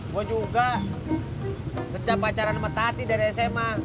gue juga setiap pacaran sama tati dari sma